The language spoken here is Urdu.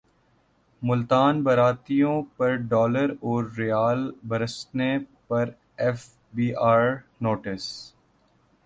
ملتان باراتیوں پرڈالراورریال برسانے پرایف بی رکانوٹس